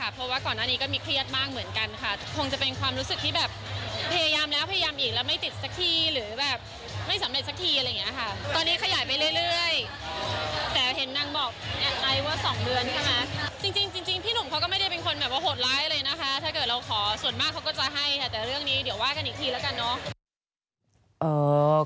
ถ้าเกิดเราขอส่วนมากเขาก็จะให้แต่เรื่องนี้เดี๋ยวว่ากันอีกทีแล้วกันเนอะ